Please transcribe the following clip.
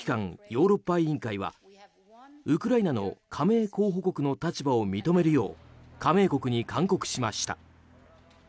ヨーロッパ委員会はウクライナの加盟候補国の立場を認めるよう加盟国に勧告しました。